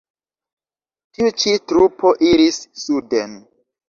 Tiu ĉi trupo iris suden.